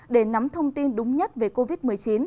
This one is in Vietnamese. để nắm thông tin đúng nhất về covid một mươi chín